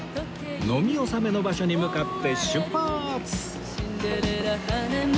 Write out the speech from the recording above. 飲み納めの場所に向かって出発！